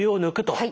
はい。